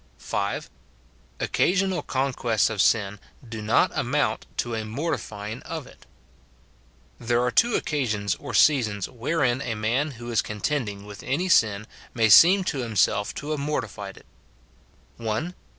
(5.) Occasional conque&ts of sin do not amount to a « mortifying of it. There are two occasions or seasons wherein a man who is contending with any sin may seem to himself to have mortified it :— [1.